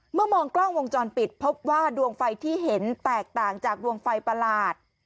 มองกล้องวงจรปิดพบว่าดวงไฟที่เห็นแตกต่างจากดวงไฟประหลาด